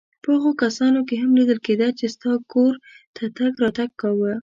په هغو کسانو کې هم لیدل کېده چا ستا کور ته تګ راتګ کاوه.